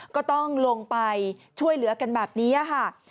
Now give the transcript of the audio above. ก็ต้องลงไปช่วยเหลือกันแบบนี้ค่ะ